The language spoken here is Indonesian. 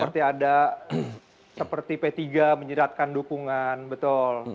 seperti ada seperti p tiga menyeratkan dukungan betul